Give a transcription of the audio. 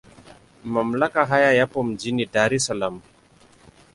Mamlaka haya yapo mjini Dar es Salaam.